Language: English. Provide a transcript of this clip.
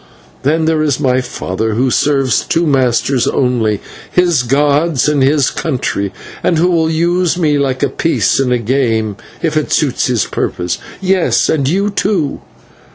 Then there is my father, who serves two masters only his gods and his country and who will use me like a piece in a game if it suits his purpose yes, and you too.